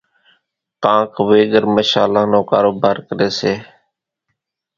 ڪانڪ ويڳر مشلان نو ڪاروڀار ڪريَ سي۔